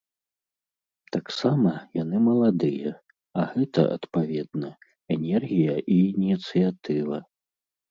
Таксама яны маладыя, а гэта, адпаведна, энергія і ініцыятыва.